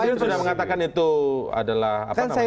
karena presiden sudah mengatakan itu adalah apa namanya